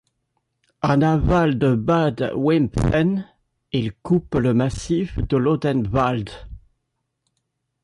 En aval de Bad Wimpfen, il coupe le massif de l'Odenwald.